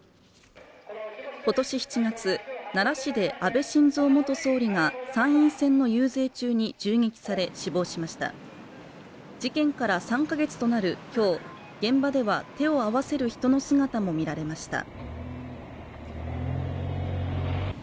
今年７月奈良市で安倍晋三元総理が参院選の遊説中に銃撃され死亡しました事件から３か月となるきょう現場では手を合わせる人の姿も見られました